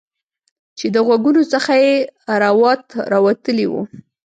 چې د غوږونو څخه یې روات راوتلي وو